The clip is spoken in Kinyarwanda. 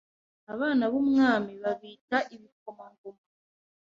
Abana bumwami babita ibikomangoma